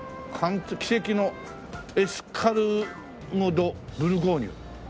「奇跡のエスカルゴ・ド・ブルゴーニュ」